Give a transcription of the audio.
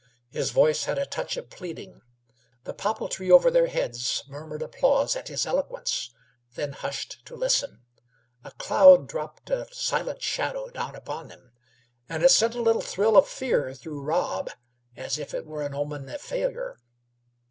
His voice had a touch of pleading. The popple tree over their heads murmured applause at his eloquence, then hushed to listen. A cloud dropped a silent shadow down upon them, and it sent a little thrill of fear through Rob, as if it were an omen of failure.